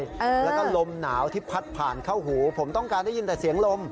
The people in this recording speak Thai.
แล้วก็ลมหนาวที่พัดผ่านเข้าหูผมต้องการได้ยินแต่เสียงลม